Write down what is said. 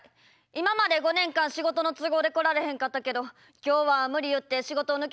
今まで５年間仕事の都合で来られへんかったけど今日は無理言って仕事を抜けさせてもらえた。